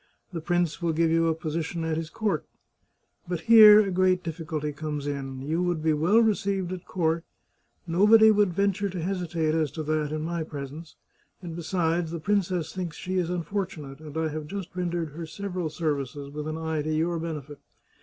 The prince will give you a position at his court. But here a great difficulty comes in. You would be well received at court, nobody would venture to hesitate as to that in my presence, and besides, the princess thinks she is unfortunate, and I have just rendered her sev eral services with an eye to your benefit.